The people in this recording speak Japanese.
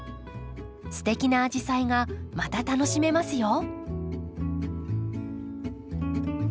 すてきなアジサイがまた楽しめますよ。